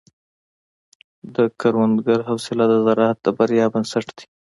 د کروندګر حوصله د زراعت د بریا بنسټ دی.